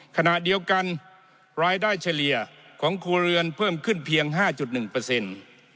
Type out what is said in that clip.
ขณะเดียวกันรายได้เฉลี่ยของครัวเรือนเพิ่มขึ้นเพียง๕๑เปอร์เซ็นต์